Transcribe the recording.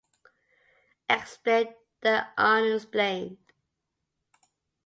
Explain the unexplained.